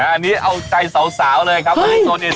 อันนี้เอาใจสาวเลยครับ